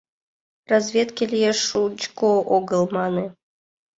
Разведке «Лиеш, шучко огыл» мане.